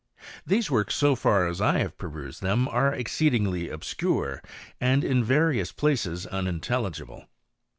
These works, so far as I have perused them, are xceedingly obscure, and in various places unintelli gible.